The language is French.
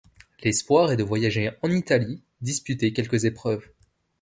L'espoir est de voyager en Italie, disputer quelques épreuves.